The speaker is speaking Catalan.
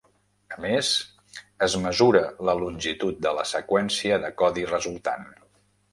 A més, es mesura la longitud de la seqüència de codi resultant.